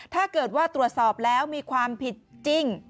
ถ้าเกิดว่าตรวจสอบแล้วมีความผิดจริง